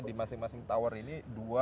di masing masing tower ini dua lima